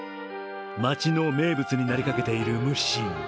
街の名物になりかけているムッシー。